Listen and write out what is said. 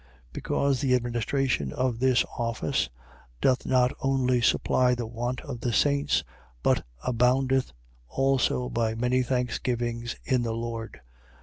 9:12. Because the administration of this office doth not only supply the want of the saints, but aboundeth also by many thanksgivings in the Lord.